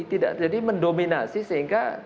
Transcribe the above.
tidak jadi mendominasi sehingga